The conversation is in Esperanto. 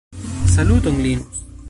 Saluton Linus!